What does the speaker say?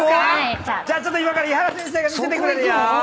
じゃあちょっと今から伊原先生が見せてくれるよ！